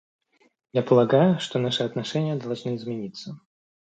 Я полагаю, что наши отношения должны измениться.